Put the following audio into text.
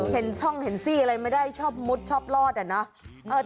เห็นช่องเห็นซี่อะไรไม่ได้ชอบมุดชอบลอดอะเนาะ